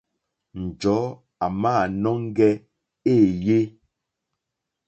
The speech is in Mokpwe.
Njɔ̀ɔ́ àmǎnɔ́ŋgɛ̄ éèyé.